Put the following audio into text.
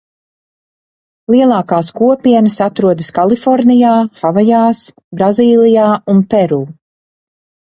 Lielākās kopienas atrodas Kalifornijā, Havajās, Brazīlijā un Peru.